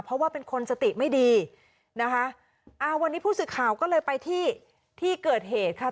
เพราะว่าเป็นคนสติไม่ดีนะคะอ่าวันนี้ผู้สื่อข่าวก็เลยไปที่ที่เกิดเหตุค่ะ